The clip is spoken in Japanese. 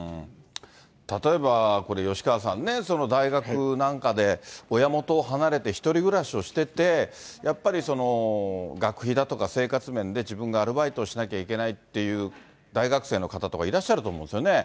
例えばこれ、吉川さんね、大学なんかで親元を離れて１人暮らしをしてて、やっぱり学費だとか生活面で自分がアルバイトしなきゃいけないっていう大学生の方とかいらっしゃると思うんですよね。